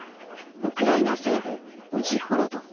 ウクライナ西部ウジホロド。